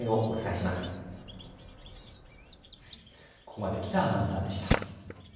ここまで喜多アナウンサーでした。